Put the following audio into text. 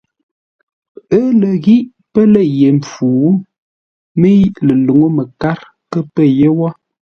Ə́ lə ghí pə́ lə̂ ye mpfu, mə́i ləluŋú məkár kə́ pə̂ yé wó.